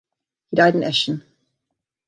He died in Eschen.